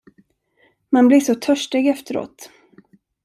Man blir så törstig efteråt.